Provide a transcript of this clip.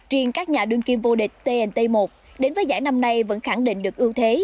riêng các nhà đương kim vô địch tnt một đến với giải năm nay vẫn khẳng định được ưu thế